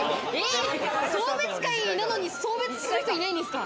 送別会なのに送別する人いないんですか。